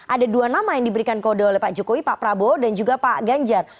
ada dua nama yang diberikan kode oleh pak jokowi pak prabowo dan juga pak ganjar